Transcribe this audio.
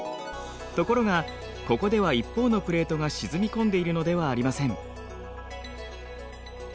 ところがここでは一方のプレートが沈み込んでいるのではありません。